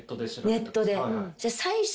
ネットで。